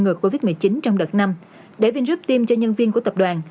ngược covid một mươi chín trong đợt năm để vingroup tiêm cho nhân viên của tập đoàn